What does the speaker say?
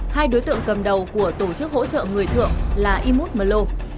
hai đối tượng cầm đầu của tổ chức hỗ trợ người thượng là imut melo